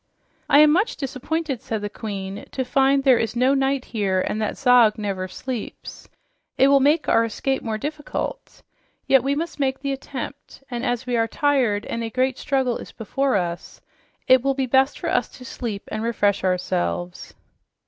"I am much disappointed," said the Queen, "to find there is no night here and that Zog never sleeps. It will make our escape more difficult. Yet we must make the attempt, and as we are tired and a great struggle is before us, it will be best for us to sleep and refresh ourselves."